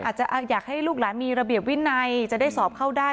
อาจจะอยากให้ลูกหลานมีระเบียบวินัยจะได้สอบเข้าได้